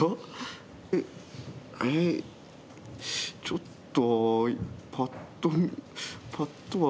ちょっと。